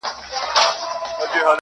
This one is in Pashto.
بیا به بهار وي جهان به ګل وي -